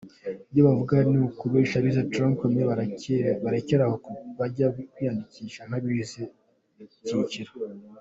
Ibyo bavuga ni ukubeshya bize Tronc Commun barekeraho bajya kwiyandikisha nk’abanyeshuri bize icyiciro.